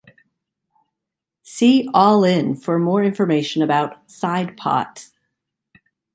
See "all in" for more information about "side pots".